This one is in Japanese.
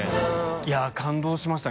い感動しました。